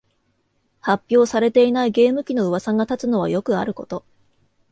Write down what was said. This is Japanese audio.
発表されていないゲーム機のうわさが立つのはよくあること